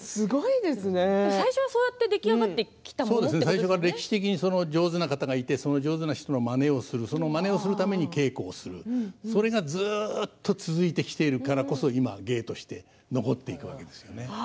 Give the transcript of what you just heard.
最初そうやって出来上がってきた歴史的に上手な方がいてその上手な方のまねをするそのために稽古をするそれがずっと続いてきているからこそ今、芸として残っていくわけですね。